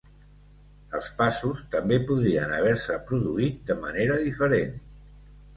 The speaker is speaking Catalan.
Els passos també podrien haver-se produït de manera diferent.